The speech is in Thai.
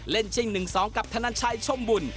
ชิง๑๒กับธนันชัยชมบุญ